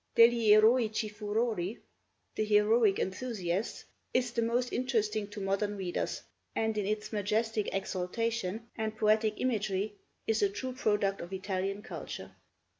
'Degl' Eroici Furori' (The Heroic Enthusiasts) is the most interesting to modern readers, and in its majestic exaltation and poetic imagery is a true product of Italian culture.